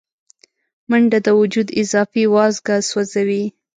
منډه د وجود اضافي وازګه سوځوي